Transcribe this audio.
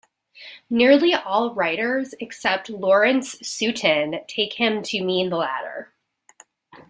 Nearly all writers except Lawrence Sutin take him to mean the latter.